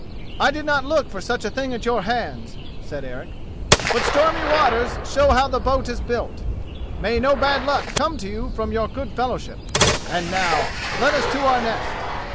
"I did not look for such a thing at your hands," said Eric; "but stormy waters show how the boat is built. May no bad luck come to you from your good fellowship. And now let us to our nest."